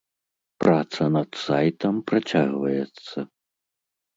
Праца над сайтам працягваецца.